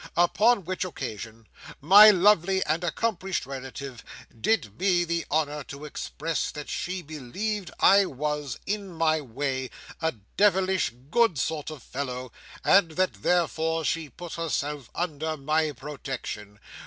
Upon which occasion, my lovely and accomplished relative did me the honour to express that she believed I was, in my way, a devilish good sort of fellow; and that therefore she put herself under my protection.